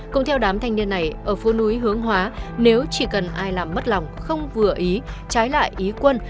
cũng theo đám thanh niên này ở phố núi hướng hóa nếu chỉ cần ai làm mất lòng không vừa ý trái lại ý quân